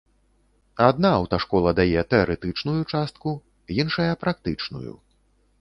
Адна аўташкола дае тэарэтычную частку, іншая практычную.